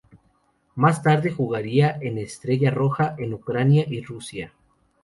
Más tarde, jugaría en Estrella Roja, en Ucrania y Rusia.